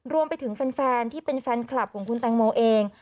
รวมไปถึงแฟนที่เป็นแฟนคลับของคุณแตงโมเอง